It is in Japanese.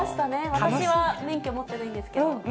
私は免許持ってないんですけど。